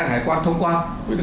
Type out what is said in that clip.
đối với anh em